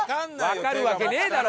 わかるわけねえだろ！